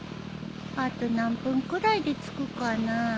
あと何分くらいで着くかな？